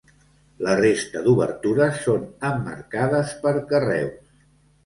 La resta d'obertures són emmarcades per carreus.